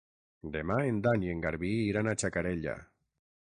Demà en Dan i en Garbí iran a Xacarella.